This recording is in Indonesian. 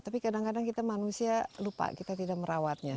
tapi kadang kadang kita manusia lupa kita tidak merawatnya